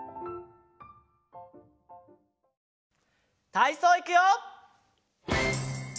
たいそういくよ！